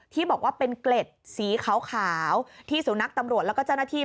ที่บอกว่าเป็นเกล็ดสีขาวที่สุนัขตำรวจแล้วก็เจ้าหน้าที่